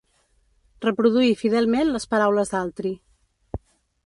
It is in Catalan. Reproduir fidelment les paraules d'altri.